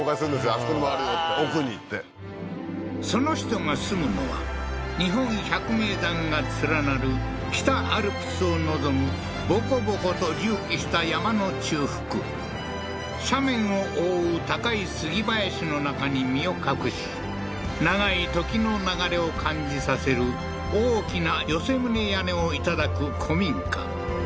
「あそこにもあるよ」って「奥に」ってその人が住むのは日本百名山が連なる北アルプスを望むボコボコと隆起した山の中腹斜面を覆う高い杉林の中に身を隠し長い時の流れを感じさせる大きな寄せ棟屋根を頂く古民家